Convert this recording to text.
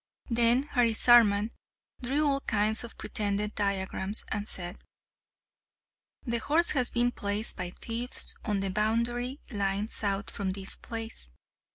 Then Harisarman drew all kinds of pretended diagrams, and said: "The horse has been placed by thieves on the boundary line south from this place.